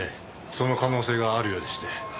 その可能性があるようでして。